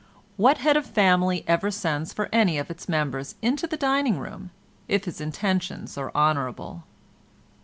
What head of a family ever sends for any of its members into the dining room if his intentions are honourable?